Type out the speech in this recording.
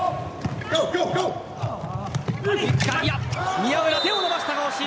宮浦、手を伸ばしたが惜しい。